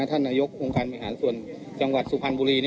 ท่านนายกโครงการมหาส่วนจังหวัดสุพรรณบุรี